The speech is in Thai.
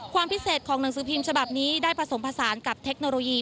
ความพิเศษของหนังสือพิมพ์ฉบับนี้ได้ผสมผสานกับเทคโนโลยี